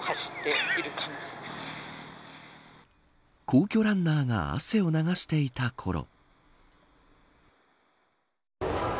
皇居ランナーが汗を流していたころ。